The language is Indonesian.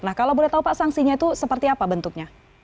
nah kalau boleh tahu pak sanksinya itu seperti apa bentuknya